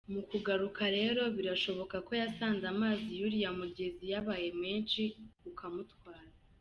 Mu kugaruka rero birashoboka ko yasanze amazi y’uriya mugezi yabaye menshi ukamutwara”.